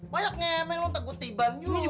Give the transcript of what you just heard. banyak ngemeng lo entah gue tiban yuk